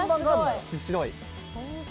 白い。